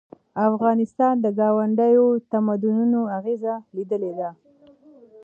افغانستان د ګاونډیو تمدنونو اغېز لیدلی دی.